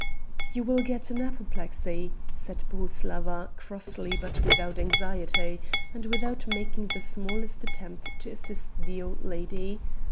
"You will get an apoplexy," said Bohuslawa crossly but without anxiety, and without making the smallest attempt to assist the old lady.